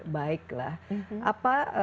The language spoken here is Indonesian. baik lah apa